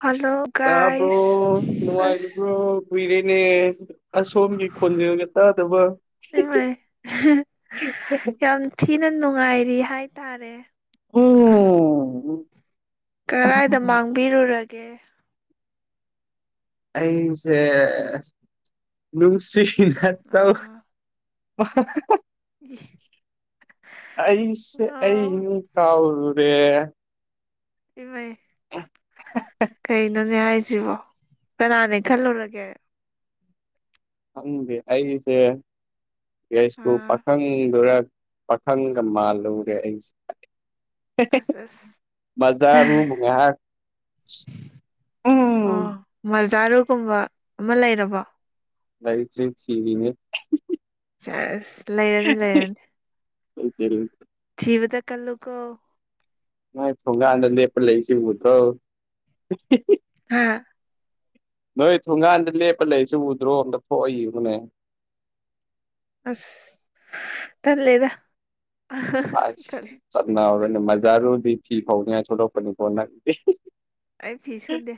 Hello ꯇꯥꯕ꯭ꯔꯣ ꯒꯥꯏꯁ ꯑꯁ ꯅꯉꯔꯤꯕ꯭ꯔꯣ ꯀꯨꯏꯔꯦꯅꯦ ꯑꯁꯣꯝꯒꯤ ꯈꯣꯟꯖꯦꯜꯒ ꯇꯥꯗꯕ ꯏꯃꯥꯏ ꯌꯥꯝ ꯊꯤꯅ ꯅꯨꯡꯉꯥꯏꯔꯤ ꯍꯥꯏꯇꯥꯔꯦ ꯎꯝ ꯀꯗꯥꯏꯗ ꯃꯥꯡꯕꯤꯔꯨꯔꯒꯦ ꯑꯩꯁꯦ ꯅꯨꯡꯁꯤꯅ ꯇꯧ ꯑꯥ ꯑꯩꯁ ꯑꯩ ꯑꯣ ꯍꯥꯎꯔꯦ ꯏꯃꯩ ꯀꯩꯅꯣꯅꯦ ꯍꯥꯏꯁꯤꯕꯣ ꯀꯅꯥꯅꯦ ꯈꯜꯂꯨꯔꯒꯦ ꯈꯪꯗꯦ ꯑꯩꯁꯦ ꯌꯥꯏꯁꯀꯨꯜ ꯑꯥ ꯄꯥꯈꯪꯗꯨꯔ ꯄꯥꯈꯪꯒ ꯃꯥꯜꯂꯨꯨꯔꯦ ꯑꯩꯁꯦ [unintelligible] ꯑꯁ ꯑꯁ ꯑꯣ ꯎꯝ ꯃꯖꯥꯔꯨꯒꯨꯝꯕ ꯑꯃ ꯂꯩꯔꯕ ꯏꯇꯔꯤ ꯁꯤꯔꯤꯅꯦ ꯑꯁ ꯂꯩꯔꯅꯤ ꯂꯩꯔꯅꯤ ꯊꯤꯕꯗ ꯀꯜꯂꯨꯀꯣ ꯅꯣꯏ ꯊꯣꯡꯒꯥꯥꯟꯗ ꯂꯦꯞꯄ ꯂꯩꯁꯤꯕꯨꯊꯣ ꯍꯥꯥ ꯅꯣꯏ ꯊꯣꯡꯒꯥꯟꯗ ꯂꯦꯞꯄ ꯂꯩꯁꯤ ꯎꯗ꯭ꯔꯣ ꯑꯝꯗ ꯊꯣꯛꯑꯏ ꯌꯦꯕꯅꯦ ꯑꯁ ꯇꯜꯂꯦꯗ ꯑ ꯇꯜ ꯆꯠꯅꯥꯔ ꯃꯖꯥꯔꯣꯗꯤ ꯊꯤ ꯍꯅꯤꯂꯣꯄꯅꯤ ꯀꯣꯟ ꯑꯩ ꯄꯤ ꯁꯨꯗꯦ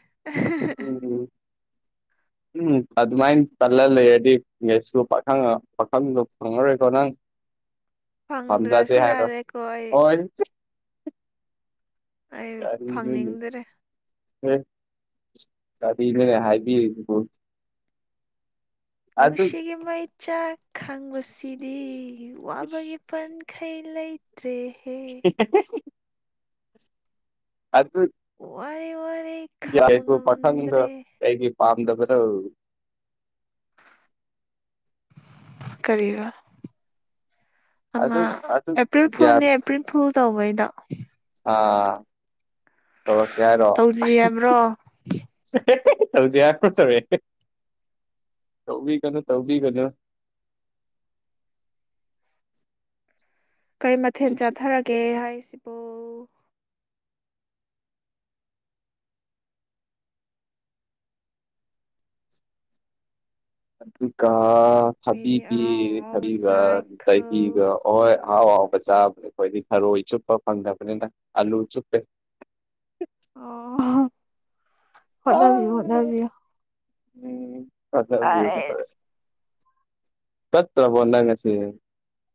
[inaudible] ꯎꯝ ꯑꯗꯨꯃꯥꯏꯅ ꯇꯜꯂ ꯂꯩꯔꯗꯤ ꯒꯦꯁꯁꯨ ꯄꯥꯈꯪ ꯄꯥꯈꯪꯗꯣ ꯐꯪꯉꯔꯣꯏꯀꯣ ꯅꯪ [inaudible] ꯐꯪꯗ꯭ꯔꯦ [inaudible] ꯑꯩ ꯀꯔꯤꯅꯣꯅꯦ ꯐꯪꯅꯤꯡꯗ꯭ꯔꯦ ꯀꯔꯤꯅꯣꯅꯦ ꯍꯥꯏꯕꯤꯔꯤꯗꯨꯕꯣ ꯅꯨꯡꯁꯤꯒꯤ ꯃꯩꯆꯥꯛ ꯈꯪꯕꯁꯤꯗꯤ ꯋꯥꯕꯒꯤ ꯄꯟꯈꯩ ꯂꯩꯇ꯭ꯔꯦꯍꯦ ꯆꯁ ꯑꯗꯨ ꯑꯗꯨ ꯋꯥꯔꯦ ꯋꯥꯔꯦ ꯈꯥꯡꯕ ꯌꯥꯏꯁꯨ ꯄꯥꯊꯪꯗ ꯉꯝꯗ꯭ꯔꯦ ꯑꯩꯩꯒꯤ ꯄꯥꯝꯗꯕꯗ ꯀꯕ ꯑꯃ ꯑꯗꯨ ꯑꯗꯨ ꯑꯦꯄ꯭ꯔꯤꯜ ꯐꯨꯜꯅꯦ ꯑꯦꯄ꯭ꯔꯤꯜ ꯐꯨꯜ ꯇꯧꯕꯩꯗꯣ ꯍꯥꯥ ꯊꯣ ꯀꯔꯣ ꯇꯧꯁꯤ ꯍꯥꯏꯕ꯭ꯔꯣ ꯖ ꯌꯥ ꯄꯠꯇꯃꯦ ꯇꯧ ꯀꯩꯅꯣ ꯇꯧꯧꯕꯤ ꯀꯩꯅꯣ ꯀꯩ ꯃꯊꯦꯜ ꯑꯩ ꯆꯥꯊꯔꯒꯦ ꯍꯥꯏꯁꯤꯕꯨ ꯑꯗꯨꯒ ꯃꯤꯗꯤ ꯊꯕꯤꯒꯤ ꯑꯍꯥꯎ ꯑꯍꯥꯎꯕ ꯊꯕꯤꯒ ꯆꯥꯏ ꯈꯜ ꯗꯍꯤꯒ ꯍꯍꯣꯏ ꯑꯍꯥꯎ ꯍꯥꯎꯕ ꯆꯥꯕꯅꯦ ꯑꯩꯈꯣꯏꯗꯤ ꯈꯔꯣꯏ ꯆꯨꯞꯄ ꯐꯪꯗꯕꯅꯤꯅ ꯑꯂꯨ ꯆꯨꯞꯄꯦ ꯑꯣ ꯑ ꯍꯗꯕꯤ ꯍꯗꯕꯤꯌ ꯎꯝ ꯑꯗꯕꯤꯨꯦ ꯑꯩ ꯐꯔꯦ ꯆꯠꯇ꯭ꯔꯕꯣ ꯅꯪ ꯑꯁꯤ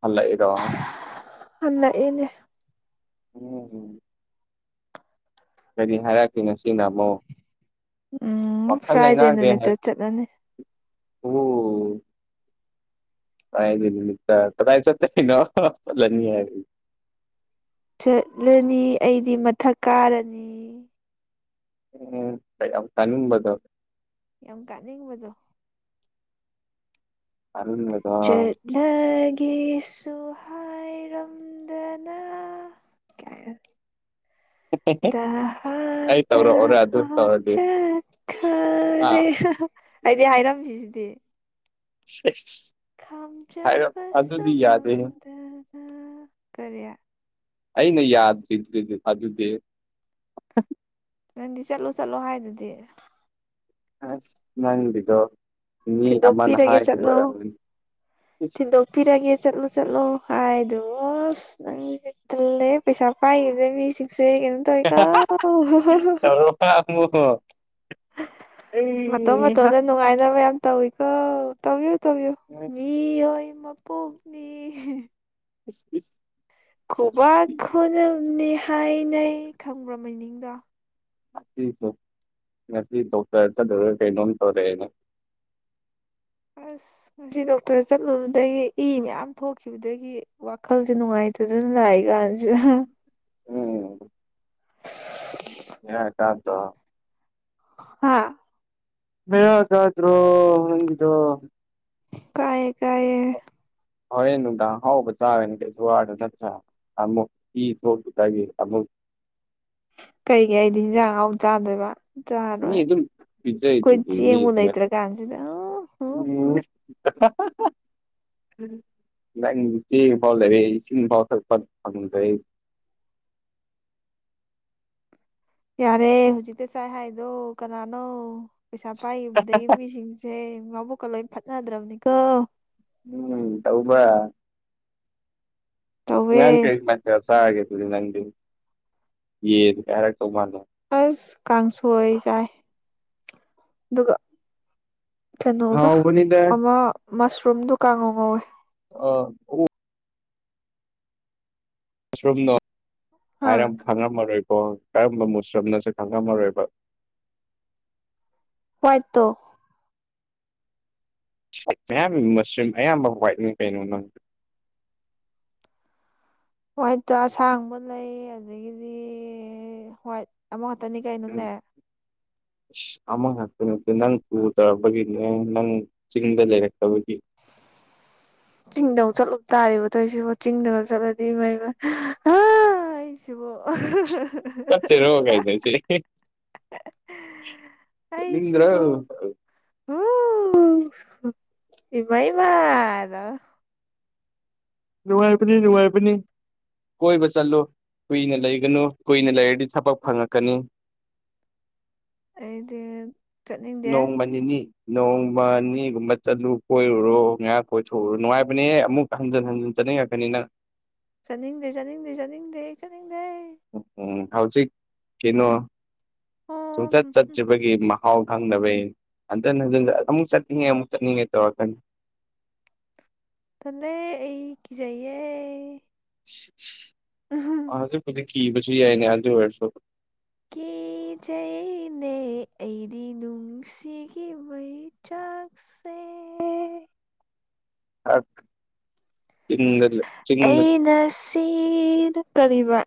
ꯍꯜꯂꯛꯏꯔꯣ ꯑꯂ ꯏꯅꯦ ꯎꯝ ꯎꯝ ꯀꯔꯤ ꯍꯥꯏꯔꯛꯀꯦꯅꯣ ꯁꯤꯅ ꯑꯃꯨꯛ ꯎꯝ ꯐ꯭ꯔꯥꯏꯗꯦ ꯅꯨꯃꯤꯠꯇ ꯆꯠꯂꯅꯤ ꯑꯣ ꯠꯇ ꯇꯗꯥꯥꯏ ꯆꯠꯇꯩꯅꯣꯂꯅꯤ ꯍꯥꯏ ꯆꯠꯂꯅꯤ ꯑꯩꯗꯤ ꯃꯊꯛ ꯀꯥꯔꯅꯤ ꯎꯝ ꯀ ꯀꯅꯝꯕꯗ ꯌꯥꯝ ꯀꯥꯅꯤꯡꯕꯗꯣ ꯑꯔꯟꯗꯣ ꯆꯠꯂꯒꯦꯁꯨ ꯍꯥꯏꯔꯝꯗꯅ ꯀ ꯇꯍ ꯑꯩ ꯇꯧꯔꯛꯑꯣꯔ ꯑꯗꯨ ꯇꯍ ꯇꯧꯔꯗꯤ ꯆꯠ ꯈ ꯑꯥ ꯑꯔꯦ ꯍꯥꯏꯗꯤ ꯍꯥꯏꯔꯝꯃꯤꯁꯤꯗꯤ [inaudible] ꯍꯥꯏꯔ ꯈꯥꯝꯖꯕꯁꯨ ꯑꯗꯨꯗꯤ ꯌꯥꯗꯦꯍꯦ ꯉꯝꯗꯅ ꯀꯔꯤꯌꯥ ꯑꯩꯅ ꯌꯥꯗ꯭ꯔꯤꯗꯨꯗꯤ ꯑꯗꯨꯗꯤ ꯅꯪꯗꯤ ꯆꯠꯂꯣ ꯆꯠꯂꯣ ꯍꯥꯏꯗꯨꯗꯤ ꯑꯁ ꯅꯪꯕꯤꯗꯣ ꯃꯤ ꯑꯃ ꯅ ꯊꯤꯟꯗꯣꯛꯄꯤꯔꯒꯦ ꯍꯥꯏꯗꯨ ꯑꯣꯏꯣꯏꯔꯝ ꯄꯤꯔꯒꯦ ꯆꯠꯂꯣ ꯆꯠꯂꯨ ꯍꯥꯏꯗꯣ ꯅꯪ ꯆꯠꯇ ꯂꯩꯦ ꯄꯩꯁꯥ ꯄꯥꯏꯗꯦ ꯃꯤ ꯁꯤꯛꯁꯦ ꯃꯣ ꯃꯇꯣꯝ ꯎꯝ ꯃꯇꯣꯝꯗ ꯅꯨꯡꯉꯥꯏꯅꯕ ꯌꯥꯝ ꯇꯧꯋꯤꯀꯣ ꯇꯧꯕꯤꯌꯨ ꯇꯧꯤꯌꯨ ꯏꯍꯣꯏ ꯃꯄꯣꯛꯅꯤ ꯢꯁ ꯢꯁ ꯈꯨꯕꯥꯛ ꯈꯨꯅꯝꯅꯤ ꯍꯥꯏꯅꯩ ꯈꯪꯕ꯭ꯔ ꯃꯤꯅꯤꯡꯗꯣ ꯁꯨ ꯇ ꯗ ꯆꯠꯂꯔꯣꯢꯀꯩꯅꯣ ꯇꯧꯔꯦꯅ ꯑꯁ ꯉꯁꯤ ꯗꯣꯛꯇꯔ ꯆꯠꯂꯨꯕꯗꯒꯤ ꯏ ꯃꯌꯥꯝ ꯊꯣꯛꯈꯤꯕꯗꯒꯤ ꯋꯥꯈꯜꯁꯦ ꯅꯨꯡꯉꯥꯏꯇꯦ ꯑꯗꯨ ꯂꯏꯀꯥꯟꯁꯤ ꯎꯝ ꯌꯥ ꯇ ꯇ ꯍꯥꯝ ꯃꯒꯗ꯭ꯔꯣꯗꯨ ꯀꯑꯦ ꯀꯥꯏꯌꯦ ꯍꯣꯔꯦꯟ ꯅꯨꯡꯗꯥꯡ ꯑꯍꯥꯎ ꯆꯥꯥꯔꯅꯤ ꯀꯩꯁꯨ ꯋꯔꯨꯅ ꯅꯠꯇꯔ ꯅ ꯑꯃꯨꯛ ꯏ ꯊꯣꯛ ꯇ ꯑꯨꯛ ꯀꯩꯒꯤ ꯑꯩꯗꯤ ꯍꯤꯟꯖꯥꯡ ꯑꯍꯥꯎ ꯆꯥꯗꯣꯏꯕ ꯆꯔꯣꯏ ꯃꯤ ꯑꯗꯨꯝ ꯑꯩꯈꯣꯏ ꯄꯤꯖꯩꯗꯨꯗꯤ ꯃꯤ ꯆꯦꯡꯉ ꯂꯩꯇ꯭ꯔ ꯀꯥꯟꯁꯤꯗ ꯎꯝ ꯅꯪ ꯐꯥꯎ ꯂꯩꯔꯦ ꯏꯁꯤꯡ ꯐꯥꯎ ꯊꯛꯄ ꯐꯪꯗꯦ ꯌꯥꯔꯦ ꯍꯧꯖꯤꯛꯇꯤ ꯆꯥꯏ ꯍꯥꯏꯗꯣ ꯀꯅꯥꯅꯣ ꯄꯩꯁꯥ ꯄꯥꯏꯕꯗꯒꯤꯩ ꯃꯤꯁꯤꯡꯁ ꯁꯦ ꯕꯥꯕꯨꯀ ꯂꯣꯏ ꯐꯠꯅꯗ꯭ꯔꯕꯅꯤꯀꯣ ꯎꯝ ꯇꯎꯕ ꯇꯧꯋꯦ ꯅꯥꯡ ꯀꯔꯤ ꯃꯟꯁꯤꯗ ꯆꯥꯔꯒꯦ ꯑꯗꯨꯗꯤ ꯅꯪꯗꯤ ꯌꯦ ꯀꯩꯔꯛꯇꯧ ꯃꯥꯜꯂꯣ ꯑꯁ ꯀꯥꯡꯁꯣꯏ ꯆꯥꯏ ꯑꯗꯨꯒ ꯀꯩꯅꯣꯒ ꯍꯥꯎꯕꯅꯤꯗ ꯑꯃ ꯃꯁꯔꯨꯝꯗꯣ ꯀꯥꯡꯉꯧ ꯉꯧꯋꯦ ꯑ ꯃꯨꯁ꯭ꯔꯨꯝꯅꯣ ꯍꯥꯏꯔ ꯈꯪꯉꯝꯃꯔꯣꯏꯀꯣ ꯀꯔꯝꯕ ꯃꯨꯁꯔꯨꯝꯅꯁꯨ ꯈꯪꯉꯝꯃꯔꯣꯏꯕ ꯋꯥꯢꯠꯇꯣ ꯃꯌꯥꯝ ꯃꯁꯔꯨꯝ ꯑꯌꯥꯝꯕ ꯋꯥꯏꯠꯅꯤꯡ ꯀꯩꯅꯣ ꯅꯪ ꯍꯋꯥꯏꯠꯇꯣ ꯑꯁꯥꯡꯕ ꯂꯩ ꯑꯗꯒꯤꯗꯤ ꯍ꯭ꯋꯥꯏꯠ ꯑꯃꯨꯛ ꯉꯛꯇꯅꯤ ꯀꯩꯅꯣꯅꯦ ꯑꯃꯒ ꯍꯥꯏꯅ ꯅꯪ ꯀ ꯅꯪ ꯆꯤꯡꯗ ꯂꯩꯔꯛꯇꯕꯒꯤ ꯆꯤꯡꯗ ꯑꯃꯨꯛ ꯆꯠꯂꯨꯕ ꯇꯥꯔꯔꯤꯕ ꯇꯧꯣꯏꯁꯤꯕ ꯆꯤꯡꯗꯅ ꯆꯠꯂꯗꯤ ꯃꯩ ꯑꯩ ꯣ ꯆꯆꯦ ꯔꯣꯒ ꯍꯥꯏꯥꯏꯗꯣꯏꯁꯦ ꯆꯠꯅꯤꯡꯗ꯭ꯔꯣ ꯑꯩꯁꯤꯕꯨ ꯑꯣ ꯏꯕꯏ ꯃꯥꯗ ꯅꯨꯡꯉꯥꯏꯕꯅꯤ ꯅꯨꯡꯉꯥꯏꯕꯅꯤ ꯀꯣꯏꯕ ꯆꯠꯂꯨ ꯀꯨꯏꯅ ꯂꯩꯒꯅꯨ ꯀꯨꯏꯅ ꯂꯩꯔꯗꯤ ꯊꯕꯛ ꯐꯪꯉꯛꯀꯅꯤ ꯑꯩꯗꯤ ꯆꯠꯅꯤꯡꯗꯦ ꯅꯣꯡꯃ ꯅꯤꯅꯤ ꯅꯣꯡꯃ ꯑꯅꯤꯒꯨꯝꯕ ꯆꯠꯂꯨ ꯀꯣꯏꯔꯨꯔꯣ ꯉꯥꯏꯍꯥꯛ ꯀꯣꯏꯊꯣꯛꯎꯨꯔꯣ ꯅꯨꯡꯉꯥꯏꯕꯅꯦ ꯑꯃꯨꯛ ꯍꯟꯖꯤꯟ ꯍꯟꯖꯤꯟ ꯆꯅ ꯌꯥ ꯀꯅꯤꯅ ꯆꯠꯅꯤꯡꯗꯦ ꯆꯠꯅꯤꯡꯗꯦ ꯆꯥꯅꯤꯡꯗꯦ ꯆꯠꯅꯤꯡꯗꯦ ꯎꯝ ꯎꯝ ꯍꯧꯖꯤꯛ ꯀꯩꯅꯣ ꯑꯣ ꯁꯨꯡꯆꯠ ꯆꯠꯇ꯭ꯔꯤꯕꯒꯤ ꯍꯥꯎ ꯊꯪꯗꯕꯩ ꯍꯟꯇꯅ ꯑꯃꯨꯛ ꯆꯠꯅꯤꯡꯉꯦ ꯑꯃꯨꯛ ꯆꯠꯅꯤꯡꯉꯦ ꯇꯧꯔꯛꯀꯅꯤ ꯇꯦ ꯑꯩ ꯀꯖꯌꯦ ꯑꯗ ꯀꯗꯤ ꯀꯕꯨꯁꯨ ꯌꯥꯏꯅꯦ ꯑꯗ ꯑꯣꯏꯔꯁꯨꯣ ꯖꯩꯅꯦ ꯑꯩꯗꯤ ꯅꯨꯡꯁꯤ ꯃꯩ ꯆꯥꯛ ꯁꯤ [unintelligible] ꯆ ꯂꯩ ꯑꯩꯅ ꯁꯤꯅ ꯀꯔꯤꯕ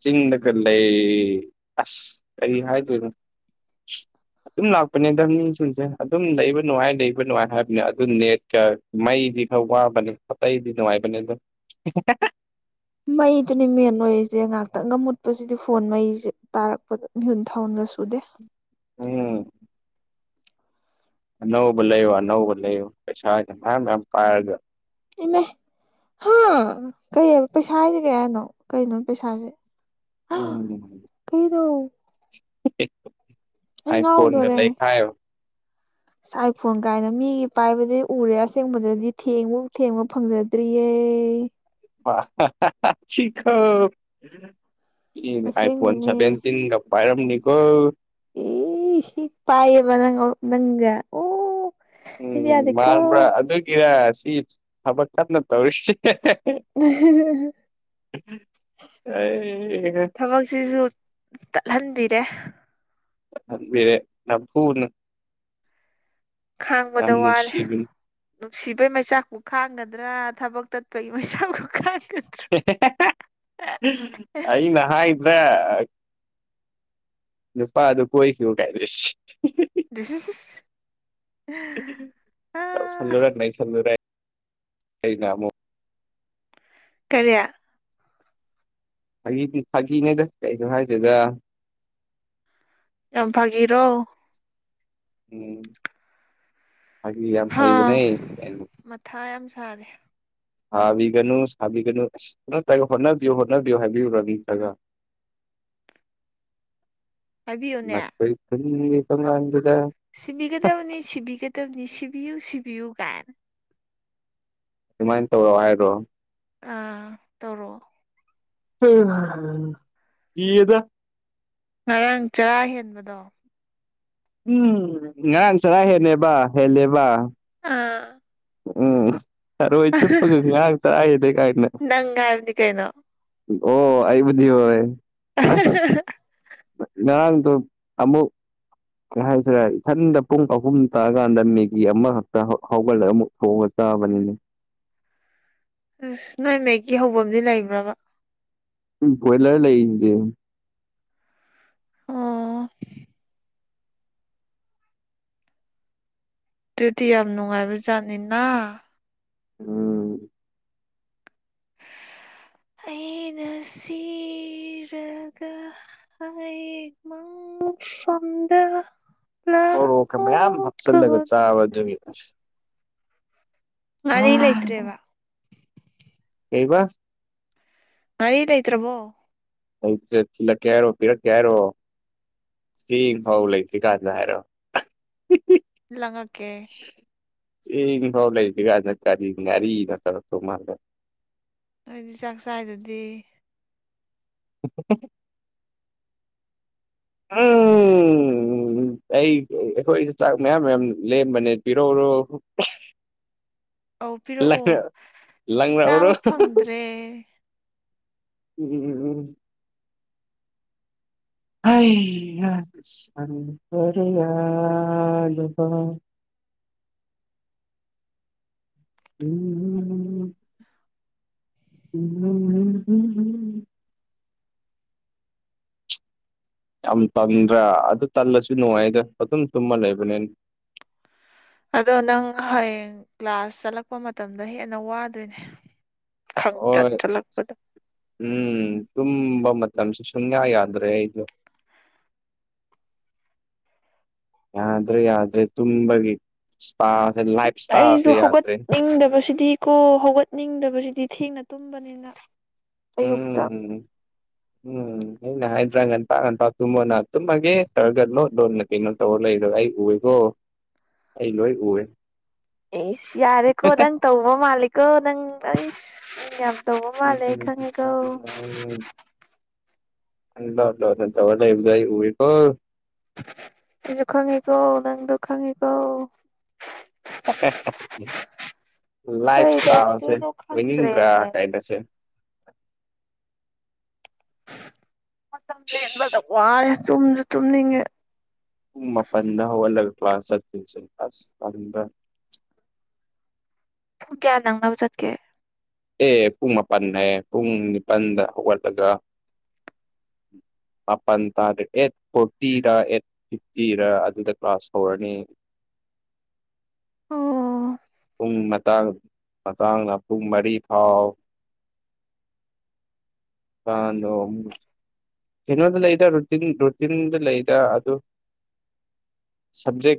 ꯆꯤꯡ ꯅꯒꯔ ꯂꯩ ꯑꯁ ꯀꯔꯤ ꯍꯥꯏ ꯇꯨ ꯑꯗꯨꯝ ꯂꯥꯛꯄꯅꯦꯗ ꯃꯤꯁꯤꯡꯁꯦ ꯑꯗꯨꯝ ꯂꯩꯕ ꯅꯨꯡꯉꯥꯏ ꯂꯩꯕ ꯅꯨꯡꯉꯥꯏ ꯍꯥꯏꯕꯅꯦ ꯑꯗꯨ ꯅꯠ ꯃꯩꯗꯤ ꯈꯔ ꯋꯥꯕꯅꯦ ꯑꯇꯩꯗꯤ ꯅꯨꯡꯉꯥꯏꯕꯅꯦ ꯑꯗꯨꯣ ꯃꯩꯗꯨꯅꯤ ꯃꯦꯟ ꯑꯣꯏꯔꯤꯁꯦ ꯉꯥꯏꯍꯥꯛꯇꯪꯒ ꯃꯨꯠꯄꯁꯤꯗꯤ ꯐꯣꯟ ꯃꯩꯁꯦ ꯇꯥꯔꯛꯄꯗ ꯃꯤꯍꯨꯟ ꯊꯧꯟꯒ ꯁꯨꯗꯦ ꯎꯝ ꯑꯅꯧꯕꯨ ꯂꯩꯌꯣ ꯑꯅꯧꯕꯕꯨ ꯂꯩꯌꯣ ꯄꯩꯁꯥ ꯄꯔꯒ ꯏꯃꯦ ꯍꯥꯥ ꯀꯩꯕ ꯄꯩꯁꯥ ꯍꯥꯏꯁꯦ ꯀꯌꯥꯅꯣ ꯀꯩꯅꯣ ꯄꯩꯁꯥꯁꯦ ꯀꯗꯣ ꯑꯩ ꯐꯣꯟ ꯂꯈꯥꯏꯣ ꯑ ꯑꯥꯏꯐꯣꯟ ꯀꯥꯏꯅ ꯃꯤꯒꯤ ꯄꯥꯏꯕꯗꯤ ꯎꯔꯦ ꯑꯁꯦꯡꯕꯗꯗꯤ ꯊꯦꯡꯕ ꯊꯦꯡꯕ ꯐꯪꯖꯗ꯭ꯔꯤꯌꯦ ꯈ ꯑꯥꯏ ꯐꯣꯟ ꯑꯁꯦꯡꯕꯅꯦ ꯁꯚꯦꯟꯇꯤꯟꯒ ꯥꯏꯔꯝ ꯅꯅꯤꯀꯣꯜ ꯏ ꯍ ꯄꯥꯏꯌꯦꯕ ꯅꯪ ꯅꯪꯁꯦ ꯑꯣ ꯁꯤꯗꯤ ꯎꯝ ꯌꯥꯗꯦꯀꯣ ꯃꯥꯟꯕ꯭ꯔꯥ ꯑꯗꯨꯒꯤꯔ ꯁꯤ ꯊꯕꯛ ꯀꯞꯟꯅ ꯇꯧꯔꯤꯁꯤ ꯎ ꯑꯩ ꯑꯦ꯫ ꯊꯕꯛꯁꯤꯁꯨ ꯇꯠꯍꯟꯕꯤꯔꯦ꯫ ꯕꯤꯔꯦ ꯐꯨꯅ꯫ ꯌꯥꯝ ꯈꯥꯡꯕꯗ ꯋꯥꯔꯦ꯫ ꯅꯨꯡꯁꯤꯕꯅꯤ ꯅꯨꯡꯁꯤꯕꯩ ꯃꯩꯆꯥꯛꯄꯨ ꯈꯥꯡꯒꯗ꯭ꯔꯥ ꯊꯕꯛ ꯇꯠꯄꯒꯤ ꯃꯩꯆꯥꯛꯄꯨ ꯈꯥꯡꯒꯗ꯭ꯔꯥ꯫ ꯑꯩꯅ ꯍꯥꯏꯗꯔꯥ꯫ ꯅꯨꯄꯥ ꯑꯗꯨ ꯀꯣꯏ ꯀꯌꯨ ꯀꯥꯏꯗ꯫ ꯁꯁꯤ ꯑ ꯁꯜꯂꯨꯔ ꯅ ꯁꯜꯂꯨꯔꯦ ꯑꯩꯅ ꯑꯃꯨꯛ ꯀꯔꯤꯌꯥ ꯐꯥꯒꯤꯗꯤ ꯐꯥꯒꯤꯅꯦꯗ ꯀꯩꯁꯨ ꯍꯥꯏꯗꯦꯗ ꯌꯥꯝ ꯐꯥꯒꯤꯔꯣ ꯎꯝ ꯍꯥꯏꯒ ꯌꯥꯝ ꯍꯥꯏꯕ ꯅ ꯊꯥ ꯌꯥꯝ ꯁꯥꯔꯦ ꯁꯥꯕꯤꯒꯅꯨ ꯁꯥꯕꯤꯒꯅꯨ ꯑꯁ ꯍꯣꯠꯅꯕꯤꯌꯨ ꯍꯣꯠꯅꯕꯤꯌꯨ ꯍꯥꯏꯕꯤꯌꯨꯔ ꯅꯠꯇ꯭ꯔꯒ꯫ ꯫ ꯍꯥꯏꯕꯤꯌꯨꯅꯦ ꯅꯈꫭꯏ ꯈꯨꯟꯒꯤ ꯊꫭꯡꯒꯥꯟꯗꯨꯗ꯫ ꯁꯤꯕꯤꯒꯗꯕꯅꯤ ꯁꯤꯕꯤꯒꯗꯕꯅꯤ ꯁꯤꯕꯤꯌꯨ ꯁꯤꯕꯤꯌꯨ ꯀꯥꯏꯟ꯫ ꯁꯨꯃꯥꯏꯟ ꯇꯧꯔꫭ ꯍꯥꯏꯔꫭ꯫ ꯑꯥ ꯇꯧꯔꫭꯛ꯫ ꯀꯤꯌꯦꯗ꯫ ꯉꯔꯥꯡ ꯆꯔꯥ ꯍꯦꯟꯕꯗꯣ꯫ ꯎꯝ ꯉꯔꯥꯡ ꯆꯔꯥ ꯍꯦꯜꯂꯦꯕ ꯍꯦꯜꯂꯦꯕ꯫ ꯑꯥ꯫ ꯎꯝ ꯇꯔꯣꯏ ꯆꯨꯞꯄꯒ ꯉꯥꯔꯥꯡ ꯆꯔꯥ ꯍ‌ꯦꯜꯂ‌ꯦ ꯀꯥꯏꯅ꯫ ꯅꯪ ꯍꯥꯏꯕꯅꯤ ꯀꯩꯅꯣ ꯑꯣ ꯑꯩꯕꯨꯗꯤ ꯌꯧꯔ‌ꯦ ꯑꯁ꯫ ꯅꯥꯡꯗꫭ ꯑꯃꯨꯛ꯫ ꯀꯩ ꯍꯥꯏꯁꯤꯔꯦ ꯏꯊꯟꯗ ꯄꯨꯡ ꯑꯍꯨꯝ ꯇꯥꯔꯀꯥꯟꯗ ꯃꯦꯒꯤ ꯑꯃꯈꯛꯇ ꯍꯧꯒꯠꯂꯒ ꯑꯃꯨꯛ꯫ ꯍꯒꯠꯇꯕꯅꯤꯅꯦ꯫ ꯑꯁ ꯅꯣꯏ ꯃꯦꯛꯀꯤ ꯍꯧꯕꯝꯗꯤ ꯂꯩꯕ꯭ꯔꯥꯕ꯫ ꯕꫭꯏꯂꯔ ꯂꯩꯁꯤꯗꯤ꯫ ꯑꫭ꯫ ꯑꯗꯨꯗꯤ ꯌꯥꯝ ꯅꯨꯡꯉꯥꯏꯕꯖꯥꯠꯅꯤꯅ꯫ ꯎꯝ꯫ ꯑꯩꯩꯅꯁꯤ꯫ ꯔꯒ ꯍꯌ‌ꯦꯡ ꯃꯪꯐꯝꯗ꯫ ꯃꫭꯔꫭꯛꯀ ꯃꯌꯥꯝ ꯂꯥꯛꯑꯣ ꯍꯥꯞꯆꯤꯜꯂꯒ ꯀꯣꯟ ꯆꯥꯕ ꯑꯗꯨꯒꯤ꯫ ꯉꯥꯔꯤꯂꯩꯇ꯭ꯔ‌ꯦꯕ꯫ ꯀꯩꯕ꯫ ꯉꯔꯤꯂꯩꯇ꯭ꯔꯕꯣ꯫ ꯂꯩꯇ꯭ꯔ‌ꯦ ꯊꯤꯜꯂꯛꯀꯦ ꯍꯥꯏꯔꯣ ꯄꯤꯔꯛꯀꯦ ꯍꯥꯏꯔꯣ꯫ ꯆꯦꯡ ꯐꯥꯎ ꯂꯩꯇ꯭ꯔꯤ ꯀꯥꯟꯗ ꯍꯥꯏꯔꯣ꯫ ꯂꯪꯉꯛꯀꯦ꯫ ꯆ‌ꯦꯡ ꯐꯥꯎ ꯂꯩꯇ꯭ꯔꯤꯒꯥꯟ ꯀꯔꯤ ꯉꯔꯤꯅ ꯇꯧꯔꯛꯇꯧ ꯃꯥꯜꯂꯒ꯫ ꯑꯩꯗꯤ ꯆꯥꯛ ꯆꯥꯏꯗꯨꯗꯤ꯫ ꯎꯝ꯫ ꯎꯝ ꯑꯩ ꯑꯈꯣꯏꯁꯨ ꯆꯥꯛ ꯃꯌꯥꯝ ꯃꯌꯥꯝ ꯂꯦꯝꯕꯅꯦ ꯄꯤꯔꯛꯔꯣ꯫ ꯑꯧ ꯂꯪ ꯄꯤꯔꯛꯑꯣ ꯂꯪꯔꯛ ꯑꯣꯔꯣ꯫ ꯇꯦ꯫ ꯎꯝ ꯎꯝ꯫ ꯌꯥ꯫ [unintelligible] ꯎꯝ꯫ ꯎ ꯌꯥꯝ ꯇꯟꯗ꯭ꯔꯥ ꯑꯗꯨ ꯇꯜꯂꯁꯨ ꯅꯨꯡꯉꯥꯏꯗ ꯑꯗꯨꯝ ꯇꯨꯝꯃ ꯂꯩꯕꯅꯦ ꯑꯗꯣ ꯅꯪ ꯍꯌꯦꯡ ꯀ꯭ꯂꯥꯁ ꯆꯠꯂꯛꯄ ꯃꯇꯝꯗ ꯍꯦꯟꯅ ꯋꯥꯗꯣꯏꯅꯦ ꯍ ꯈꯪꯆꯠ ꯆꯠꯂꯛꯄꯗ ꯎꯝ ꯇꯨꯝꯕ ꯃꯇꯝꯁꯨ ꯁꯨꯡꯌꯥ ꯌꯥꯗ꯭ꯔꯦ ꯑꯩꯁꯨꯣ ꯌꯥꯗ꯭ꯔꯦ ꯌꯥ꯭ꯔꯦ ꯇꯨꯝꯒꯤꯦ ꯂꯥꯏꯐ ꯏꯁꯇꯥꯥꯁꯦ ꯌꯥꯗ꯭ꯔꯦ ꯏꯪꯗꯕꯁꯤꯗꯤ꯫ ꯀꯣ ꯍꯧꯒꯠꯅꯤꯡꯗꯕꯁꯤꯗꯤ ꯊꯦꯡꯅ ꯇꯨꯝꯕꯅꯤꯅ꯫ ꯑꯌꯨꯛꯇ ꯎꯝ꯫ ꯎꯝ ꯑꯩꯒ ꯍꯥꯏꯗ꯭ꯔꯥ ꯉꯟꯇ ꯉꯟꯇ ꯇꯨꯝꯃꫭꯅ ꯇꯨꯝꯃꯒ‌ꯦ ꯇꯧꯔꯒꯥ ꯂꫭꯠ ꯂꫭꯠꯅ꯫ ꯀꯩꯅꯣ ꯇꯧꯔ ꯂꯩꯗ ꯑꯩ ꯎꯏꯌ‌ꯦꯀꯣ ꯑꯩ ꯂꯣꯏ ꯎꯋꯦ꯫ ꯑꯦꯁ ꯌꯥꯔꯦꯀꯣ ꯅꯪ ꯇꯧꯕ ꯃꯥꯂꯦꯀꯣ ꯅꯪ ꯑꯩꯁ ꯌꯥꯝ ꯅꯣꯡ ꯃꯥ ꯂꯩ ꯈꯪꯉ ꯏ ꯀꯧꯕ ꯎꯝ ꯂ ꯂ ꯅꯠꯇ ꯋꯥꯗ ꯑꯦꯖ ꯎꯋꯀꯣ ꯁꯤꯁꯨ ꯈꯪꯉꯤꯀꯣ ꯅꯪꯗꯣ ꯈꯪꯉꯤꯀꯣ ꯂ ꯁꯇꯥ꯭ꯔ ꯀꯔꯤ ꯇꯧꯗꯣꯏꯅꯣ ꯈꯪꯗ꯭ꯔꯦꯅꯦ ꯀꯥꯏꯗꯦ ꯃꯇꯝ ꯂꯦꯟꯕꯗ ꯋꯥꯔꯦ ꯆꯨꯝꯁꯨ ꯆꯨꯝꯅꯤꯡꯉꯦ ꯎꯄꯟꯗ ꯋꯥꯜꯂꯒ ꯀ꯭ꯂꯥꯁꯁꯟ ꯀ꯭ꯂ ꯄꯨꯡ ꯀꯌꯥ ꯅꯪꯅꯕ ꯆꯠꯀꯦ ꯑꯦ ꯄꯨꯡ ꯃꯥꯄꯜ ꯍꯥꯏꯌꯦ ꯄꯨꯡ ꯅꯤꯄꯜꯗ ꯍꯧꯒꯠꯂꯒ ꯃꯥꯄꯜ ꯇꯥꯗ꯭ꯔꯦ ꯑꯦꯠ ꯐꯣꯔꯇꯤꯔ ꯑꯦꯠ ꯐꯤ ꯐꯇꯤꯔ ꯑꯗꯨꯗ ꯀ꯭ꯂꯥꯁ ꯍꯧꯔꯅꯤ ꯑꯣ ꯄꯨꯡ ꯃꯇꯥꯡ ꯃꯇꯥꯡꯅ ꯄꯨꯡ ꯃꯔꯤ ꯐꯥꯎ ꯀꯗꯣ ꯀꯩꯅꯣꯗ ꯂꯩꯗ ꯔꯨꯇꯤꯟꯗ ꯂꯩꯗ ꯑꯗꯨ ꯁꯕꯖꯦꯛ